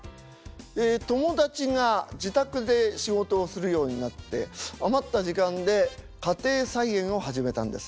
ええ友達が自宅で仕事をするようになって余った時間で家庭菜園を始めたんです。